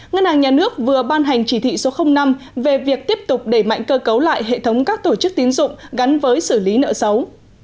ngân hàng nhà nước vừa ban hành chỉ thị số năm về việc tiếp tục đẩy mạnh cơ cấu lại hệ thống các tổ chức tín dụng gắn với xử lý nợ xấu